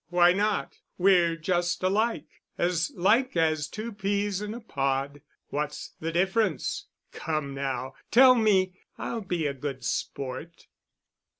Why not? We're just alike—as like as two peas in a pod. What's the difference? Come now. Tell me. I'll be a good sport."